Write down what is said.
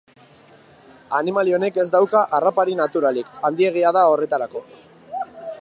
Animali honek ez dauka harrapari naturalik, handiegia da horretarako.